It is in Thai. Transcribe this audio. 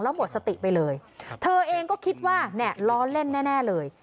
แล้วหมดสติไปเลยเธอเองก็คิดว่าเนี่ยล้อเล่นแน่เลย